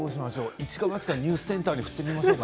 一か八かニュースセンターに振ってみましょうか。